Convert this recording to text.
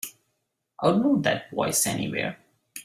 I'd know that voice anywhere.